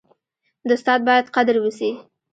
د استاد باید قدر وسي.